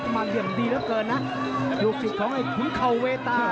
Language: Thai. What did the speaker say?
เหลี่ยมดีเหลือเกินนะลูกศิษย์ของไอ้ขุนเข่าเวตา